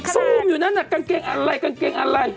ซูมอยู่นั่นน่ะกางเกงอะไร